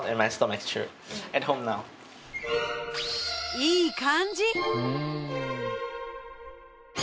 いい感じ！